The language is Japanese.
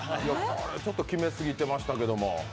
これ、ちょっと決めすぎてましたけど。